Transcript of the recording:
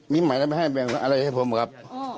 มีใหม่แล้วไม่ให้แบ่งอะไรให้ผมครับ